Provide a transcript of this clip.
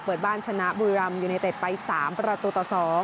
เปิดบ้านชนะบุรีรัมยูเนเต็ดไป๓ประตูต่อ๒